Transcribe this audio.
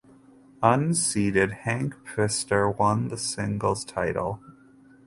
Unseeded Hank Pfister won the singles title.